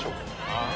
ああ？